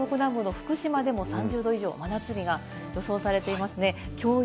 東京、名古屋、東北南部の福島でも３０℃以上の真夏日が予想されています。